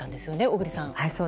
小栗さん。